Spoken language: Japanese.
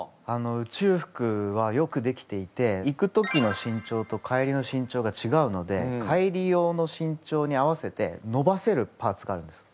宇宙服はよくできていて行く時の身長と帰りの身長がちがうので帰り用の身長に合わせて伸ばせるパーツがあるんです。